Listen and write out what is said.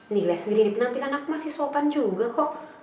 nih liat sendiri penampilan aku masih sopan juga kok